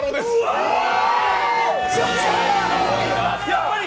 やっぱり！